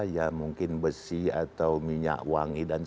ibu dan kakak memiliki kesan menjadi kreativis